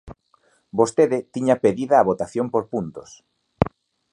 Vostede tiña pedida a votación por puntos.